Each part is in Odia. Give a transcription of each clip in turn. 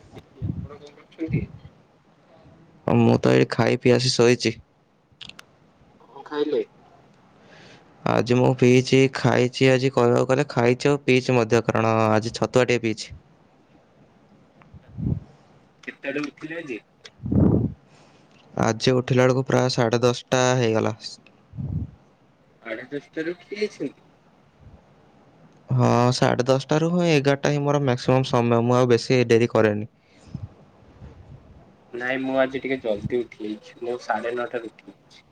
ଆଜ୍ଞା କି ଆପଣ କଣ କରୁଛନ୍ତି? ମୁଁ ତ ଏଇ ଖାଇ ପିଇ ଆସି ଶୋଇଚି। କଣ ଖାଇଲେ? ଆଜି ମୁଁ ପିଇଚି ଖାଇଚି ଆଜି କହିବାକୁ ଗଲେ ଖାଇଚି ଆଉ ପିଇଚି ମଧ୍ୟ। କାରଣ ଆଜି ଛତୁଆ ଟିକେ ପିଇଚି। କେତେ ଆଡୁ ଉଠିଲେ ଆଜି? ଆଜି ଉଠିଲା ବେଳକୁ ପ୍ରାୟ ସାଢ଼େ ଦଶଟା ହେଇଗଲା। ସାଢେ ଦଶ ଟାରୁ ଉଠି ଯାଇଛନ୍ତି। ହଁ। ସାଢେ ଦଶଟାରୁ ହିଁ ଏଗାରଟା ହିଁ ମୋର ମାକ୍ସିମମ୍ ସମୟ, ମୁଁ ଆଉ ବେଶୀ ଡେରି କରେନି। ନାଇଁ ମୁଁ ଆଜି ଟିକେ ଜଲ୍ଦି ଉଠିଯାଇଚି। ମୁଁ ସାଢ଼େ ନଅଟାରୁ ଉଠିଯାଇଚି।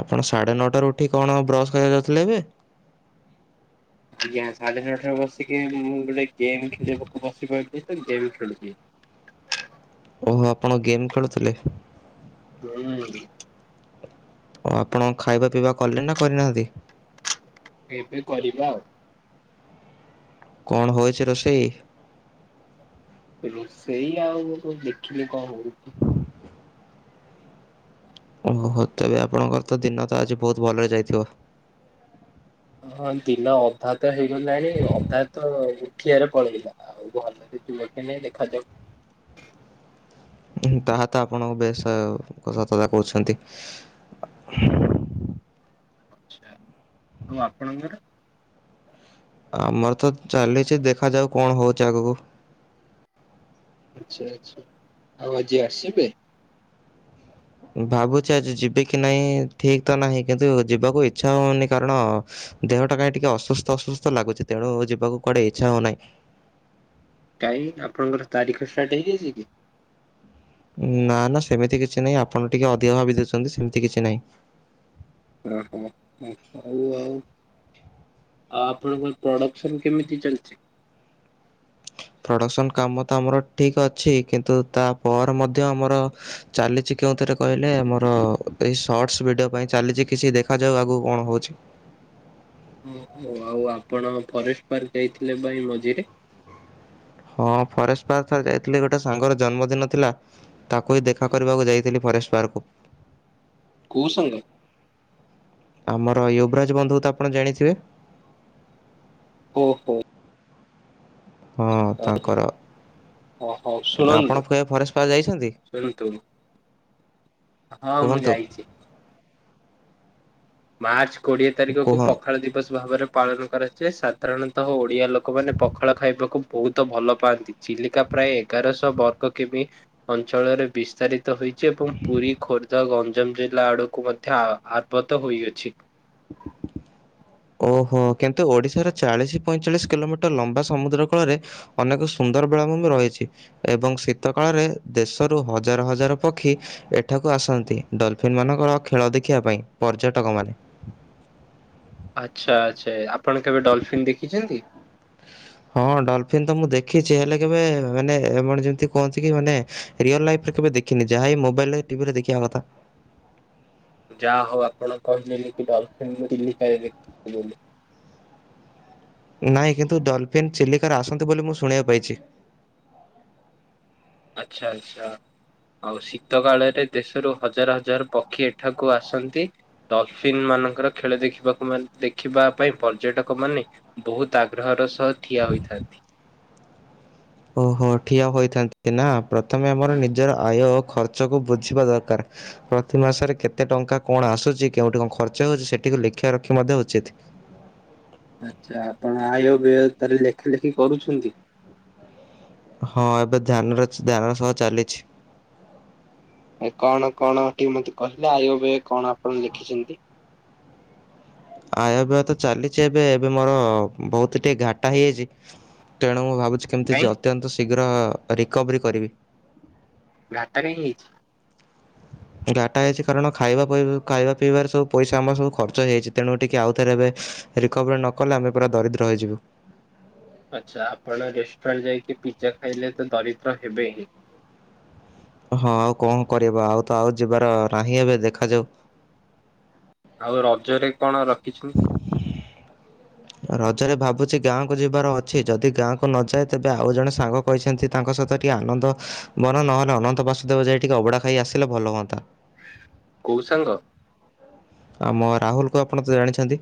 ଆପଣ ସାଢ଼େ ନଅଟାରୁ ଉଠି କଣ ବ୍ରସ୍ କରିବାକୁ ଯାଉଥିଲେ ଏବେ? ଆଜ୍ଞା। ସାଢେ ନଅ ଟାରୁ ବସିକି ମୁଁ ଗୋଟେ ଗେମ୍ ଖେଳିବାକୁ ବସି ପଡିଲି ତ ଗେମ୍ ଖେଳୁଚି। ଓହୋ ଆପଣ ଗେମ୍ ଖେଳୁଥିଲେ? ହୁଁ। ଓ ଆପଣଙ୍କ ଖାଇବା ପିଇବା କଲେଣି ନା କରିନାହାନ୍ତି? ଏବେ କରିବା ଆଉ। କଣ ହୋଇଚି ରୋଷେଇ? ରୋଷେଇ ଆଉ ମୁଁ କଣ ଦେଖିନି କଣ ହଉଚି। ଓହୋ। ତେବେ ଆପଣଙ୍କର ତ ଦିନ ତ ଆଜି ବହୁତ ଭଲରେ ଯାଇଥିବ? ହଁ ଦିନ ଅଧା ତ ହେଇଗଲାଣି। ଅଧା ତ ଉଠିବାରେ ପଳେଇଲା। ଆଉ ଭଲରେ [unintelligible] ଦେଖାଯାଉ। ହୁଁ ତାହା ତ ଆପଣ ବେଶ ସତ କଥା କହୁଛନ୍ତି। ଅଛା ଆଉ ଆପଣଙ୍କର। ଆମର ତ ଚାଲିଛି ଦେଖାଯାଉ କଣ ହଉଚି ଆଗକୁ। ଆଚ୍ଛା ଆଚ୍ଛା ଆଉ ଆଜି ଆସିବେ? ଭାବୁଛି ଆଜି ଯିବିକି ନାହିଁ ଠିକ୍ ତ ନାହିଁ କିନ୍ତୁ ଯିବାକୁ ଇଚ୍ଛା ହଉନି କାରଣ। ଦେହଟା କାଇଁ ଟିକିଏ ଅସୁସ୍ଥ ଅସୁସ୍ଥ ଲାଗୁଛି ତେଣୁ ଯିବାକୁ କୁଆଡେ ଇଚ୍ଛା ହଉନାହିଁ। କାହିଁ ଆପଣଙ୍କର ତାରିଖ ଷ୍ଟାର୍ଟ ହେଇଯାଇଚି କି। ନା ନା ସେମିତି କିଛି ନାହିଁ ଆପଣ ଟିକେ ଅଧିକ ଭାବି ଦଉଛନ୍ତି ସେମିତି କିଛି ନାହିଁ। ଅ ହ ହଉ ଆଉ। ଆଉ ଆପଣଙ୍କର ପ୍ରଡକ୍ସନ କେମିତି ଚାଲିଚି? ପ୍ରଡ଼କ୍ସନ୍ କାମ ତ ଆମର ଠିକ୍ ଅଛି କିନ୍ତୁ ତାପର ମଧ୍ୟ ଆମର। ଚାଲିଛି କେଉଁଥିରେ କହିଲେ ମୋର ଏଇ ସର୍ଟସ୍ ଭିଡିଓ ପାଇଁ ଚାଲିଛି କିଛି ଦେଖାଯାଉ ଆଗକୁ କଣ ହଉଛି। ଓ ହ ଆଉ ଆପଣ ଫରେଷ୍ଟ ପାର୍କ ଦେଇଥିଲେ ବା ଏଇ ମଝିରେ। ହଁ ଫରେଷ୍ଟ ପାର୍କ ଥରେ ଯାଇଥିଲି ଗୋଟେ ସାଙ୍ଗର ଜନ୍ମଦିନ ଥିଲା ତାକୁ ହିଁ ଦେଖା କରିବାକୁ ଯାଇଥିଲି ଫରେଷ୍ଟ ପାର୍କକୁ। କଉ ସାଙ୍ଗ। ଆମର ୟୁବରାଜ ବନ୍ଧୁ ତ ଆପଣ ଜାଣିଥିବେ। ଓହୋ। ହଁ ତାଙ୍କର। ଓ ହଉ ଶୁଣନ୍ତୁ ଆପଣ ଫ ଫରେଷ୍ଟ ପା ଯାଇଛନ୍ତି? ଶୁଣନ୍ତୁ ହଁ ମୁଁ କୁହନ୍ତୁ ଯାଇଚି। ମାର୍ଚ୍ଚ କୋଡିଏ ତାରିଖକୁ କୁହ ପଖାଳ ଦିବସ ଭାବରେ ପାଳନ କରାଯାଏ ସାଧାରଣତଃ ଓଡ଼ିଆ ଲୋକମାନେ ପଖାଳ ଖାଇବାକୁ ବହୁତ ଭଲ ପାଆନ୍ତି। ଚିଲିକା ପ୍ରାୟେ ଏଗାରଶ ବର୍ଗ କିମି ଅଞ୍ଚଳରେ ବିସ୍ତାରିତ ହୋଇଛି ଏବଂ ପୁରୀ, ଖୋର୍ଦ୍ଧା, ଗଞ୍ଜାମ ଜିଲ୍ଲା ଆଡ଼କୁ ମଧ୍ୟ ଆ ଆବ ତ ହୋଇଅଛି। ଓହୋ କିନ୍ତୁ ଓଡ଼ିଶାର ଚାଳିଶ ପଇଁଚାଳିଶ କିଲୋମିଟର ଲମ୍ବା ସମୁଦ୍ର କୂଳରେ। ଅନେକ ସୁନ୍ଦର ବେଳା ଭୂମି ରହିଛି। ଏବଂ ଶୀତ କାଳରେ ଦେଶରୁ ହଜାର ହଜାର ପକ୍ଷୀ। ଏଠାକୁ ଆସନ୍ତି ଡଲଫିନ୍ ମାନଙ୍କର ଖେଳ ଦେଖିବା ପାଇଁ ପର୍ଯ୍ୟଟକ ମାନେ। ଆଚ୍ଛା ଆଚ୍ଛା ଆପଣ କେବେ ଡଲଫିନ୍ ଦେଖିଛନ୍ତି? ହଁ ଡଲଫିିନ ତ ମୁଁ ଦେଖିଛି ହେଲେ କେବେ ମାନେ [unintelligible] ଯେମିତି କୁହନ୍ତି କି ମାନେ ରିଅଲ ଲାଇଫରେ କେବେ ଦେ ଖିନି ଯାହା ଏଇ ମୋବାଇଲରେ ଟିଭିରେ ଦେଖିବା କଥା। ଯା ହଉ ଆପଣ କହିଲେ ଲେ କି ଡଲଫନ୍ [unintelligible] ଦେଖି ବୋଲି। ନାହିଁ କିନ୍ତୁ ଡଲଫିନ୍ ଚିଲିକାର ଆସନ୍ତି ବୋଲି ମୁଁ ଶୁଣିବାକୁ ପାଇଛି। ଆଛା ଆଚ୍ଛା। ଆଉ ଶୀତ କାଳରେ ଦେଶରୁ ହଜାର ହଜାର ପକ୍ଷୀ ଏଠାକୁ ଆସନ୍ତି। ଡ଼ଲଫିଲ ମାନଙ୍କର ଖେଳ ଦେଖିବାକୁ ମାନେ ଦେଖିବା ପାଇଁ ପର୍ଯ୍ୟଟକ ମାନେ। ବହୁତ ଆଗ୍ରହର ସହ ଠିଆ ହୋଇଥାନ୍ତି। ଓହୋ ଠିଆ ହୋଇଥାନ୍ତି ନା ପ୍ରଥମେ ଆମର ନିଜର ଆୟ ଖର୍ଚ୍ଚକୁ ବୁଝିବା ଦରକାର। ପ୍ରତି ମାସରେ କେତେ ଟଙ୍କା କଣ ଆସୁଛି କେଉଠି କଣ ଖର୍ଚ୍ଚ ହଉଛି ସେଠିକୁ ଲେଖିବା ରଖି ମଧ୍ୟ ଉଚିତ୍। ଆଚ୍ଛା ଆପଣ ଆୟ ବିୟ ତାଲେ ଲେଖା ଲେଖି କରୁଛନ୍ତି। ହଁ ଏବେ ଧ୍ୟାନର ଧ୍ୟାନର ସହ ଚାଲିଛି। ଆ କଣ କଣ ଟିକେ ମତେ କହିଲେ ଆୟ ବେୟ କଣ ଆପଣ ଲେଖିଛନ୍ତି? ଆୟବୟ ତ ଚାଲିଛି ଏବେ ଏବେ ମୋର ବହୁତ ଟିକେ ଘାଟା ହେଇଯାଇଛି। ତେଣୁ ମୁଁ ଭାବୁଛି କେମିତି କାଇଁ ଯ ଅତ୍ୟନ୍ତ ଶୀଘ୍ର ରିକଭରି କରିବି। ଘାତା ପାଇଁ ହେଇଛି? ଘାଟା ହେଇଛି କାରଣ ଖାଇବା ପାଇବା ଖାଇବା ପିଇବାରେ ସବୁ ପଇସା ଆମର ସବୁ ଖର୍ଚ୍ଚ ହେଇଛି। ତେଣୁ ଟିକେ ଆଉଥରେ ଏବେ ରିକଭରି ନ କଲେ ଆମେ ପୁରା ଦରିଦ୍ର ହେଇଯିବୁ। ଆଚ୍ଛା ଆପଣ ରେଷ୍ଟୁରାଣ୍ଟ ଯାଇକି ପିଜା ଖାଇଲେ ତ ଦରିଦ୍ର ହେବେ ହିଁ। ହଁ ଆଉ କଣ କରିବା ଆଉ ତ ଆଉ ଯିବାର ନାହିଁ ଏବେ ଦେଖାଯାଉ। ଆଉ ରଜରେ କଣ ରଖିଛନ୍ତି? ରଜରେ ଭାବୁଛି ଗାଁକୁ ଯିବାର ଅଛି। ଯଦି ଗାଁକୁ ନଯାଏ ତେବେ ଆଉ ଜଣେ ସାଙ୍ଗ କହିଛନ୍ତି ତାଙ୍କ ସହିତ ଟିକିଏ ଆନନ୍ଦ ବନ ନହେଲେ ଅନନ୍ତ ବାସୁଦେବ ଯାଇ ଟିକେ ଅବଡା ଖାଇ ଆସିଲେ ଭଲ ହୁଅନ୍ତା। କୋଉ ସାଙ୍ଗ? ଆ ମୋ ରାହୁଲ କୁ ଆପଣ ତ ଜାଣିଛନ୍ତି?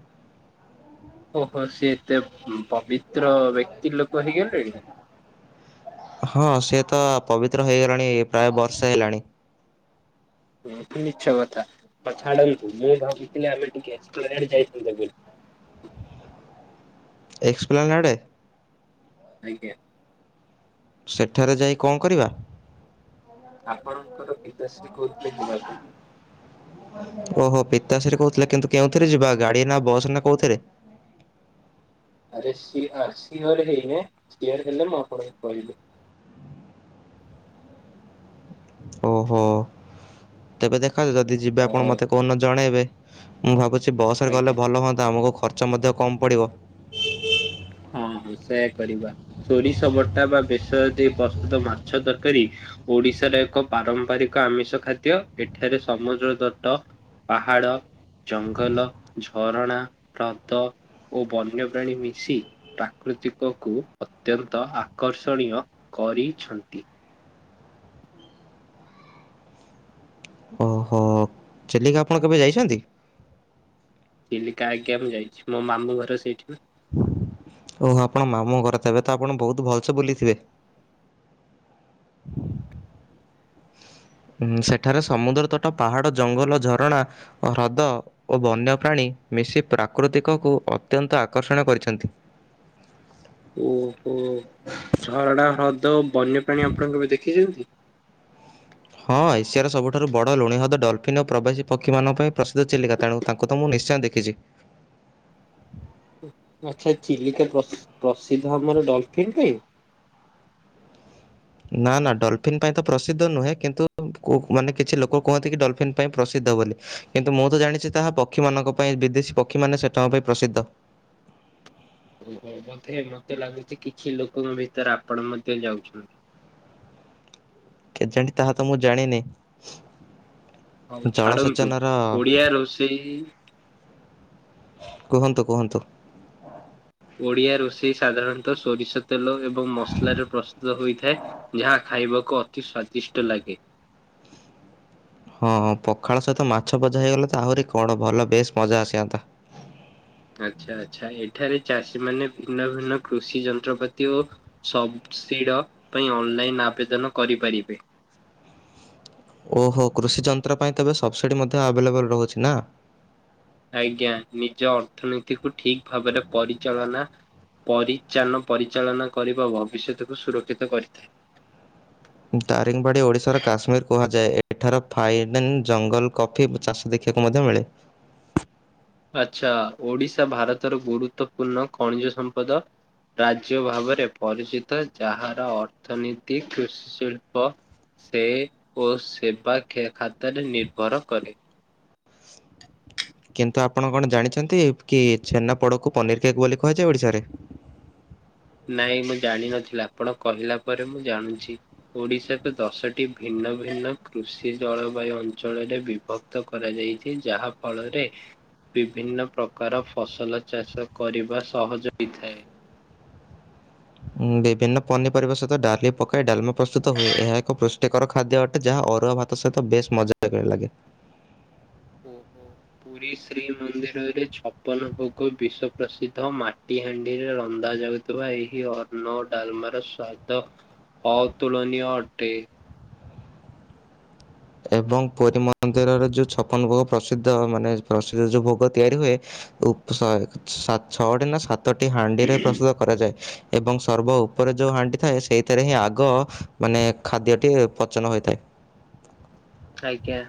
ଓହୋ ସିଏ ଏତେ ପବିତ୍ର ବ୍ୟକ୍ତି ଲୋକ ହେଇଗଲେଣି? ହଁ ସିଏ ତ ପବିତ୍ର ହେଇଗଲାଣି ପ୍ରାୟ ବର୍ଷା ହେଲାଣି। ମିଛ କଥା ଆ ଛାଡ଼ନ୍ତୁ ମୁଁ ଭାବୁଥିଲି ଆମେ ଟିକେ [inaudible] ଯାଇଥାନ୍ତେ ବୋଲି। ଏକ୍ସପ୍ଲେଣ୍ଡ ଆଡ଼େ? ଆଜ୍ଞା। ସେଠାରେ ଯାଇ କଣ କରିବା? ଆପଣଙ୍କର ପିତାଶ୍ରୀ କହୁଥିଲେ ଯିବା ପାଇଁ। [unintelligible] ଓହୋ ପିତା ସେଠ କହୁଥିଲେ କିନ୍ତୁ କେଉଁଥିରେ ଯିବା ଗାଡି ନା ବସ୍ ନା କୋଉଥିରେ? ଆରେ ସିଆ ସିଅର୍ ହେଇନି ସିଅର୍ ହେଲେ ମୁଁ ଆପଣଙ୍କୁ କହିବି। ଓହୋ ତେବେ ଦେଖ ଯାଉ ଯିବେ ଆପଣ ଓହୋ ମତେ କୋଉଦିନ ଜଣେଇବେ। ମୁଁ ଭାବୁଛି ବସରେ ଆଜ୍ଞା। ଗଲେ ଭଲ ହୁଅନ୍ତା ଆମକୁ ଖର୍ଚ୍ଚ ମଧ୍ୟ କମ ପଡ଼ିବ। ହଁ ହଁ ସେଇୟା କରିବା ସୋରିଷ ବଟା ବା ବେସର ଦେଇ ପ୍ରସ୍ତୁତ ମାଛ ତରକାରୀ ଓଡିଶାର ଏକ ପାରମ୍ପରିକ ଆମିଷ ଖାଦ୍ୟ ଏଠାରେ ସମୁଦ୍ର ତ୍ତଟ ପାହାଡ଼। ଜଙ୍ଗଲ ଝରଣା ହ୍ରଦ ଓ ବନ୍ୟପ୍ରାଣୀ ମିଶି। ପ୍ରାକୃତିକକୁ ଅତ୍ୟନ୍ତ ଆକର୍ଷଣୀୟ କରିଛନ୍ତି। ଓହୋ ଚିଲିକା ଆପଣ କେବେ ଯାଇଛନ୍ତି? ଚିଲିକା ଆଜ୍ଞା ମୁଁ ଯାଇଛି ମୋ ମାମୁ ଘର ସେଇଠି। ଓହୋ ଆପଣ ମାମୁଁ ଘରେ ବେ ତ ଆପଣ ବହୁତ ଭଲସେ ବୁଲିଥିବେ। ସେଠାରେ ସମୁଦ୍ର ତଟ ପାହାଡ଼ ଜଙ୍ଗଲ ଝରଣା ହ୍ରଦ ଓ ବନ୍ୟପ୍ରାଣୀ ମିଶି ପ୍ରାକୃତିକକୁ ଅତ୍ୟନ୍ତ ଆକର୍ଷଣ କରିଛନ୍ତି। ଓହୋ ଝରଣା ହ୍ରଦ ବନ୍ୟପ୍ରାଣୀ ଆପଣଙ୍କ କେବେ ଦେଖିଛନ୍ତି? ହଁ ଏସିଆର ସବୁଠାରୁ ବଡ଼ ଲୁଣି ହ୍ରଦ ଡଲ୍ଫିନ୍ ଓ ପ୍ରବାସୀ ପକ୍ଷୀମାନଙ୍କ ପାଇଁ ପ୍ରସିଦ୍ଧ ଚିଲିକା ତେଣୁ ତାଙ୍କୁ ତ ମୁଁ ନିଶ୍ଚୟ ଦେଖିଛି। ଆଚ୍ଛା ଚିଲିକା ତା ପ୍ରସିଦ୍ଧ ଆମର ଡଲଫିନ୍ ପାଇଁ। ନା ନା ଡଲଫିିନ ପାଇଁ ତ ପ୍ରସିଦ୍ଧ ନୁହେଁ କିନ୍ତୁ କୁ ମାନେ କିଛି ଲୋକ କୁହନ୍ତି କି ଡଲଫିନ୍ ପାଇଁ ପ୍ରସିଦ୍ଧ ବୋଲି। କିନ୍ତୁ ମୁଁ ତ ଜାଣିଛି ତାହା ପକ୍ଷୀମାନଙ୍କ ପାଇଁ ବିଦେଶୀ ପକ୍ଷୀମାନେ ସେଠାଙ୍କ ପାଇଁ ପ୍ରସିଦ୍ଧ। ବୋଧେ ମତେ ଲାଗୁଛି କିଛି ଲୋକଙ୍କ ଭିତରେ ଆପଣ ମଧ୍ୟ ଯାଉଛନ୍ତି। କେଜାଣି ତାହା ତ ମୁଁ ଜାଣିନି। ହଉ ଛାଡ଼ନ୍ତୁ ଜଳସେଚନର ଓଡ଼ିଆ ରୋଷେଇ କୁହନ୍ତୁ କୁହନ୍ତୁ? ଓଡିଆ ରୋଷେଇ ସାଧାରଣତଃ ସୋରିଷ ତେଲ ଏବଂ ମସଲାରେ ପ୍ରସ୍ତୁତ ହୋଇଥାଏ ଯାହା ଖାଇବାକୁ ଅତି ସ୍ଵାଦିଷ୍ଟ ଲାଗେ। ହଁଁ ପଖାଳ ସହିତ ମାଛ ଭଜା ହେଇଗଲା ତ ଆହୁରି କଣ ଭଲ ବେଶ୍ ମଜା ଆସିଯାଆନ୍ତା। ଆଚ୍ଛା ଆଚ୍ଛା ଏଠାରେ ଚାଷୀ ମାନେ ଭିନ୍ନ ଭିନ୍ନ କୃଷି ଯନ୍ତ୍ରପାତି ଓ ସବ ସିର ପାଇଁ ଅନଲାଇନ ଆବେଦନ କରିପାରିବେ। ଓହୋ କୃଷି ଯନ୍ତ୍ର ପାଇଁ ତେବେ ସବସିଡି ମଧ୍ୟ ଆଭେଲେବଲ ରହୁଛି ନା? ଆଜ୍ଞା ନିଜ ଅର୍ଥନୀତି କୁ ଠିକ୍ ଭାବରେ ପରିଚାଳନା। ପରିଚାନ ପରିଚାଳନା କରିବା ଭବିଷ୍ୟତକୁ ସୁରକ୍ଷିତ କରିଥାଏ। ତାରିଙ୍ଗବାଡ଼ି ଓଡ଼ିଶାର କାଶ୍ମୀର କୁହାଯାଏ ଏଠାର ଫାଇନ୍ ଜଙ୍ଗଲ କପ ଫୁବ ଚାଷ ଦେଖିବାକୁ ମଧ୍ୟ ମିଳେ। ଆଚ୍ଛା ଓଡିଶା ଭାରତର ଗୁରୁତ୍ୱପୂର୍ଣ୍ଣ ଖଣିଜ ସମ୍ପଦ। ରାଜ୍ୟ ଭାବରେ ପରିଚିତ ଯାହାର ଅର୍ଥନୀତି କୃଷି ଶିଳ୍ପ ସେ ଓ ସେବା ଖେ ଖାତାରେ ନିର୍ଭର କରେ। କିନ୍ତୁ ଆପଣ କଣ ଜାଣିଛନ୍ତି କି ଛେନାପୋଡ଼କୁ ପନିର କେକ୍ ବୋଲି କୁହାଯାଏ ଓଡ଼ିଶାରେ। ନାଇଁ ମୁଁ ଜାଣିନଥିଲି ଆପଣ କହିଲା ପରେ ମୁଁ ଜାଣୁଛି। ଓଡିଶାର ଦଶଟି ଭିନ୍ନ ଭିନ୍ନ କୃଷି ଜଳବାୟୁ ଅଞ୍ଚଳରେ ବିଭ କ୍ତ କରାଯାଇଛି ଯାହା ଫଳରେ ବିଭିନ୍ନ ପ୍ରକାର ଫସଲ ଚାଷ କରିବା ସହଜ ହୋଇଥାଏ। ଉଁ ବିଭିନ୍ନ ପନିପରିବା ସହିତ ଡାଲି ପକାଇ ଡଲମା ପ୍ରସ୍ତୁତ ହୁଏ ଏହା ଏକ ପ୍ର ଟିକର ଖାଦ୍ୟ ଅଟେ ଯାହା ଅରୁଆ ଭାତ ସହିତ ବେଶ ମଜା ଲାଗେ ଲାଗେ। ଓହୋ। ପୁରୀ ଶ୍ରୀମନ୍ଦିରରେ ଛପନ ଭୋଗ ବିଶ୍ୱ ପ୍ରସିଦ୍ଧ ମାଟିହାଣ୍ଡିରେ ରନ୍ଧାଯାଉ ଥିବା ଏହି ହ ଅନ୍ନ ଡାଲମର ସ୍ଵାଦ ଅ ତୁଳନୀୟ ଅଟେ। ଏବଂ ପୁରୀ ମନ୍ଦିରରେ ଯେଉଁ ଛପନ ଭୋଗ ପ୍ରସିଦ୍ଧ ମାନେ ପ୍ରସିଦ୍ଧ ଯୋଉ ଭୋଗ ତିଆରି ହୁଏ ଉପ ସଏ ସା ଛଅଟି ନା ସାତଟି ହାଣ୍ଡିରେ ପ୍ରସ୍ତୁତ କରାଯାଏ ଏବଂ ସର୍ବ ଉପରେ ଯୋଉ ହାଣ୍ଡି ଥାଏ ସେଇଥିରେ ହିଁ ଆଗ ମାନେ ଖାଦ୍ୟଟି ପଚନ ହୋଇଥାଏ। ଆଜ୍ଞା।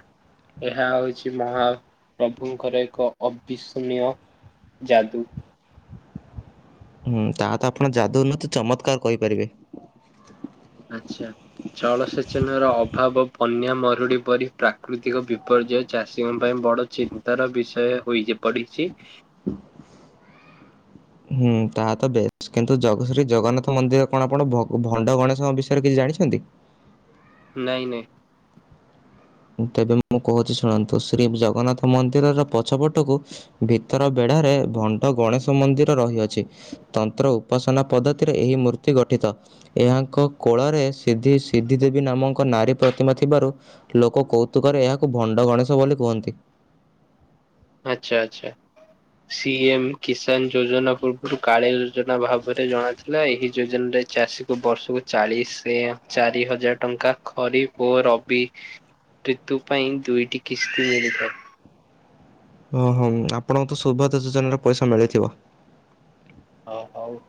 ଏହା ହଉଛି ମହାପ୍ରଭୁଙ୍କର ଏକ ଅବିସ୍କଣୀୟ। ଯାଦୁ। ହୁଁ ତାହା ତ ଆପଣ ଯାଦୁ ନୁହେଁତ ଚମତ୍କାର କହିପାରିବେ। ଆଚ୍ଛା। ଜଳସେଚନର ଅଭାବ ବନ୍ୟା ମରୁଡି ପରି ପ୍ରାକୃତିକ ବିପର୍ଯ୍ୟୟ ଚାଷୀଙ୍କ ପାଇଁ ବଡ ଚିନ୍ତାର ବିଷୟ ହୋଇ ଜି ପଡିଛି। [unintelligible] ହୁଁ ତାହା ତ ବେ କିନ୍ତୁ ଜଗ ଶ୍ରୀ ଜଗନ୍ନାଥ ମନ୍ଦିର କଣ ଆପଣ ଭଗ ଭଣ୍ଡ ଗଣେଶଙ୍କ ବିଷୟରେ କିଛି ଜାଣିଛନ୍ତି? ନାଇଁ ନାଇଁ। ତେବେ ମୁଁ କହୁଛି ଶୁଣନ୍ତୁ ଶ୍ରୀ ଜଗନ୍ନାଥ ମନ୍ଦିରର ପଛପଟକୁ ଭିତର ବେଢ଼ାରେ ଭଣ୍ଡ ଗଣେଶ ମନ୍ଦିର ରହିଅଛି। ତନ୍ତ୍ର ଉପାସନା ପଦ୍ଧତିରେ ଏହି ମୂର୍ତ୍ତି ଗଠିତ। ଏହାଙ୍କ କୋଳରେ ସିଧି ସିଦ୍ଧି ଦେବୀ ନାମକ ନାରୀ ପ୍ରତିମା ଥିବାରୁ ଲୋକ କୌତୁକରେ ଏହାକୁ ଭଣ୍ଡ ଗଣେଶ ବୋଲି କୁହନ୍ତି। ଆଚ୍ଛା ଆଚ୍ଛା। ସି ଏମ୍ କିଷାନ ଯୋଜନା ପୂର୍ବରୁ କାଳିଆ ଯୋଜନା ଭାବରେ ଜଣା ଥିଲା ଏହି ଯୋଜନାରେ ଚାଷୀ କୁ ବର୍ଷକୁ ଚାଳିଶି ଚାରି ହଜାର ଟଙ୍କା ଖରିଫ ଓ ର ବି ଋତୁ ପାଇଁ ଦୁଇଟି କିସ୍ତି ମିଳିଥାଏ। ଓହଁ ଆପଣଙ୍କୁ ତ ସୁଭଦ ଯୋଜନାରେ ପଇସା ମିଳିଥିବ? ହଁ ହଉ।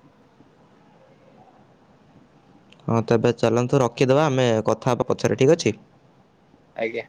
ହଁ ତେବେ ଚାଲନ୍ତୁ ରଖିଦେବା, ଆମେ କଥା ହବା ପଛେରେ ଠିକ୍ ଅଛି। ଆଜ୍ଞା।